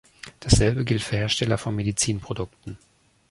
Dasselbe gilt für Hersteller von Medizinprodukten.